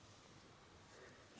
え